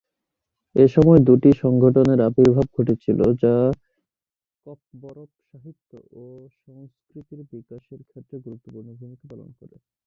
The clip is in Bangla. এসময় দুটি সংগঠনের আবির্ভাব ঘটেছিল যা ককবরক সাহিত্য ও সংস্কৃতির বিকাশের ক্ষেত্রে গুরুত্বপূর্ণ ভূমিকা পালন করে।